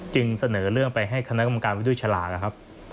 จึงเสนอเรื่องไปให้คณะกรรมการไว้ด้วยฉลากนะครับ